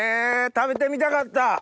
食べてみたかった。